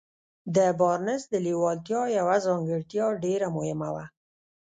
د بارنس د لېوالتیا يوه ځانګړتيا ډېره مهمه وه.